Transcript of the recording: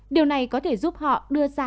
điều này có thể giúp họ đưa ra